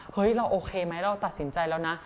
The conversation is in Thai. เราโอเคไหมเราตัดสินใจแล้วนะ